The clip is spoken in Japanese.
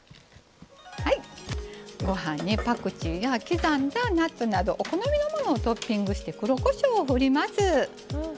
ご飯にパクチーや刻んだナッツなどお好みのものをトッピングして黒こしょうを振ります。